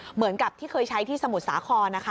เหมือนกับที่เคยใช้ที่สมุทรสาครนะคะ